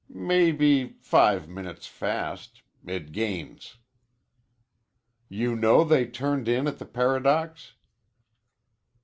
"May be five minutes fast. It gains." "You know they turned in at the Paradox?"